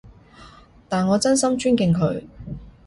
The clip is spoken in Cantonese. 但我真心尊敬佢